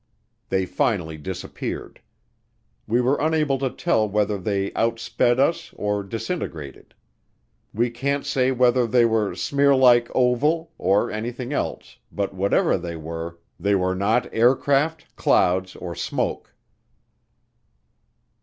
They finally disappeared. We were unable to tell whether they outsped us or disintegrated. We can't say whether they were "smearlike," oval, or anything else but whatever they were they were not aircraft, clouds or smoke.